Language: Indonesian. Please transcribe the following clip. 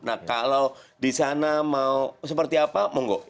nah kalau di sana mau seperti apa monggo